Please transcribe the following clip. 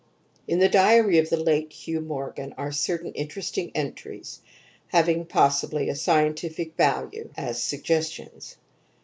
IV In the diary of the late Hugh Morgan are certain interesting entries having, possibly, a scientific value as suggestions.